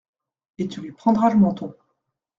Et tu lui prendras le menton.